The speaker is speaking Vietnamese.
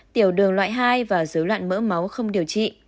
tiểu đường loại hai và dối loạn mỡ máu không điều trị